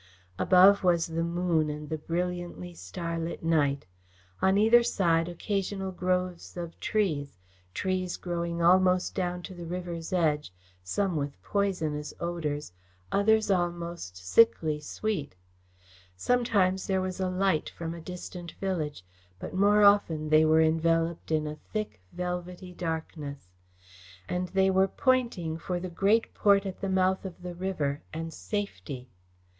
Above was the moon and the brilliantly starlit night; on either side occasional groves of trees trees growing almost down to the river's edge, some with poisonous odours, others almost sickly sweet. Sometimes there was a light from a distant village, but more often they were enveloped in a thick, velvety darkness. And they were pointing for the great port at the mouth of the river, and safety.